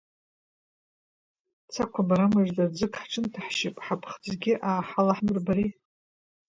Цақәа, бара мыжда, ӡык ҳҽынҭаҳшьып, ҳаԥхӡгьы ааҳалаҳмырбари…